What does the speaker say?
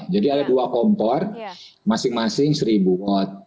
jadi ada dua kompor masing masing seribu watt